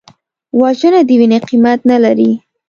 وژنه د وینې قیمت نه لري